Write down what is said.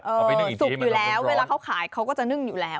เอาไปนึ่งอีกทีให้มันต้องพร้อมสุกอยู่แล้วเวลาเขาขายเขาก็จะนึ่งอยู่แล้ว